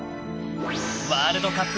ワールドカップ